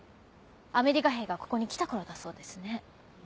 アメリカ兵がここに来た頃だそうですね。